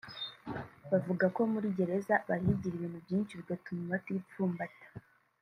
Bavuga ko muri Gereza bahigira ibintu byinshi bigatuma batipfumbata